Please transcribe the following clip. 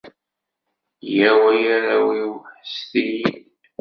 Yyaw, ay arraw-iw, ḥesset-iyi-d!